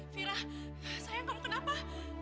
fira sayang kamu kenapa